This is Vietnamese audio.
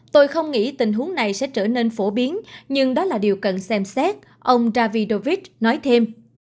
tôi không nghĩ tình huống này sẽ trở nên phổ biến nhưng đó là điều cần xem xét ông davidolvis nói thêm